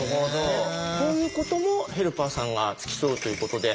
こういうこともヘルパーさんが付き添うということで。